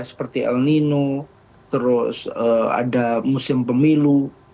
seperti el nino terus ada musim pemilu